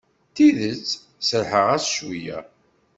D tidet serrḥeɣ-as cweyya.